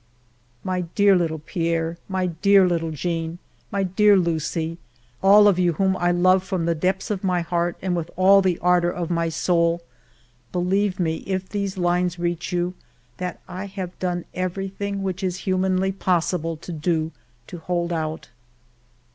My dear little Pierre, my dear little Jeanne, my dear Lucie, — all of you whom I love from the depths of my heart and with all the ardor of my soul, — believe me, if these lines reach you, that I have done everything which it is humanly possible to do to hold out.